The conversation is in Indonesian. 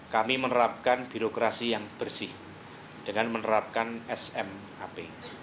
kami menerapkan birokrasi yang bersih dengan menerapkan smap